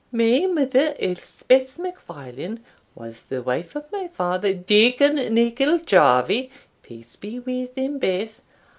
My mother, Elspeth MacFarlane, was the wife of my father, Deacon Nicol Jarvie peace be wi' them baith!